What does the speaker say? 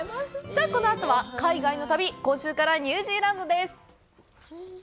さあ、このあとは海外の旅、今週からニュージーランドです！